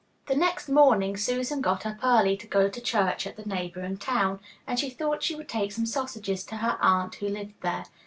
The next morning Susan got up early to go to church at the neighbouring town, and she thought she would take some sausages to her aunt who lived there.